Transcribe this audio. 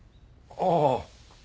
ああ。